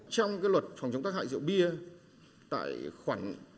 trong luật phòng chống tác hại rượu bia